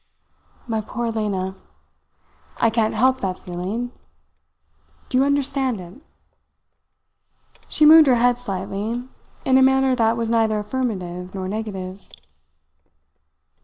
My poor Lena! I can't help that feeling. Do you understand it?" She moved her head slightly in a manner that was neither affirmative nor negative.